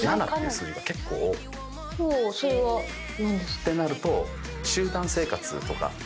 てなると。